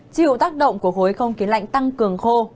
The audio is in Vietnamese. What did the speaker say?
chịu tác động của khối không khí lạnh tăng cường khô